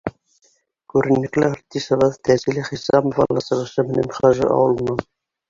Күренекле артисыбыҙ Тәнзилә Хисамова ла сығышы менән Хажы ауылынан.